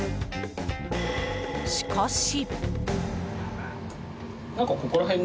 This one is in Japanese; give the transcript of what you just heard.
しかし。